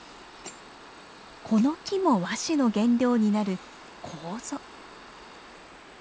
この木も和紙の原料になるコウゾ。